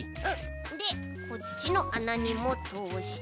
でこっちのあなにもとおして。